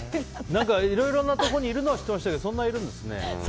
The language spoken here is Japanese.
いろいろなところにいるのは知ってましたけどそんなにいるんですね。